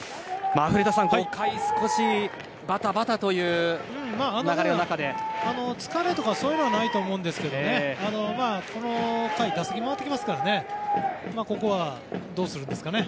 古田さん、５回は少し疲れとかそういうのはないと思うんですけどこの回、打席が回ってきますからここはどうするんですかね。